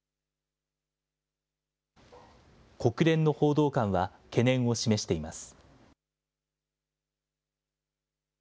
国連の報道官は懸念を示しています。